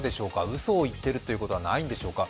うそを言ってるということはないんでしょうか。